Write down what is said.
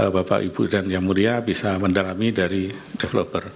bapak ibu dan yang mulia bisa mendalami dari developer